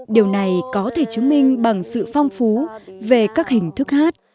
điều này có thể chứng minh bằng sự phong phú về các hình thức hát